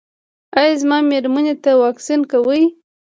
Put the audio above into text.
ایا زما میرمنې ته واکسین کوئ؟